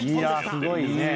すごいね。